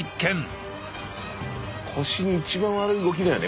腰に一番悪い動きだよね